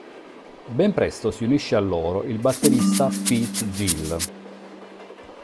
Ben presto si unisce a loro il batterista Pete Gill.